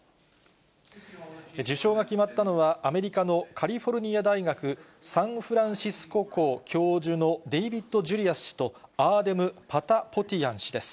受賞が決まったのは、アメリカのカリフォルニア大学サンフランシスコ校教授のデイビッド・ジュリアス氏と、アーデム・パタポティアン氏です。